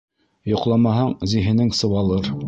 Йоҡламаһаң, зиһенең сыуалыр.